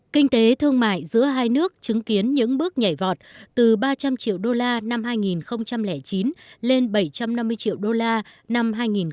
kinh tế thương mại giữa hai nước chứng kiến những bước nhảy vọt từ ba trăm linh triệu đô la năm hai nghìn chín lên bảy trăm năm mươi triệu đô la năm hai nghìn một mươi